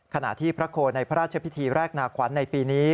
ขณะที่พระโคนในพระราชพิธีแรกนาขวัญในปีนี้